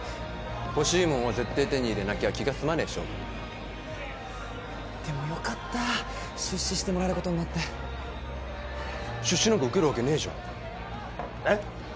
欲しいもんはぜってえ手に入れなきゃ気が済まねえ性分でもよかった出資してもらえることになって出資なんか受けるわけねえじゃんえっ？